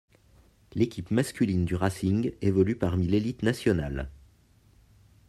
L'équipe masculine du Racing évolue parmi l'élite nationale.